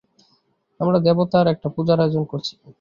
আমরা দেবতার একটা পূজার আয়োজন করছি।